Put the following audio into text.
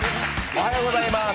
おはようございます。